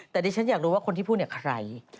แต่ดิฉันอยากรู้ว่าคนที่พูดเนี่ยใคร